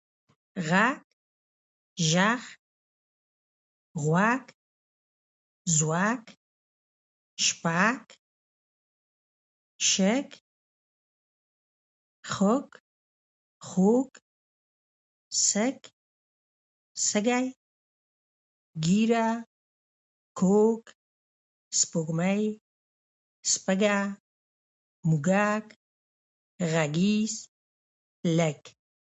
غه، ژغ، غوږ، ژوک، شپږ، شرک، خوږ، خووږ، سک، سږی، ږیره، کوږ، سپوږمۍ، سپږه، موږک، غږیز، لږ.